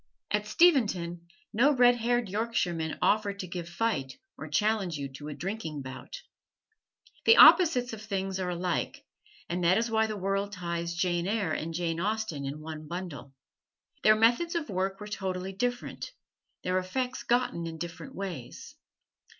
At Steventon no red haired Yorkshiremen offer to give fight or challenge you to a drinking bout. The opposites of things are alike, and that is why the world ties Jane Eyre and Jane Austen in one bundle. Their methods of work were totally different: their effects gotten in different ways.